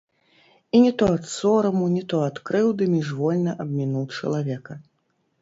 І не то ад сораму, не то ад крыўды міжвольна абмінуў чалавека.